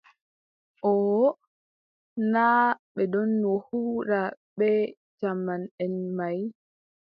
Ooho, naa ɓe ɗonno huuda bee jaamanʼen may.